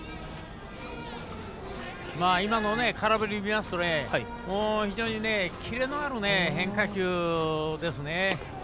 今の空振り見ますと非常にキレのある変化球ですね。